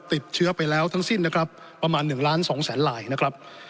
ติดเชื้อไปแล้วทั้งสิ้นนะครับประมาณ๑ล้าน๒แสนลายนะครับ